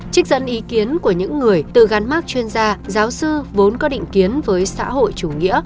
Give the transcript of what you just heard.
trích dẫn ý kiến của những người tự gắn mát chuyên gia giáo sư vốn có định kiến với xã hội chủ nghĩa